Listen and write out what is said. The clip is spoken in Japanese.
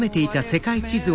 世界地図？